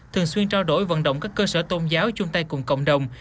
thường xuyên trao đổi vận động các cơ sở tôn giáo chung tay cùng cộng đồng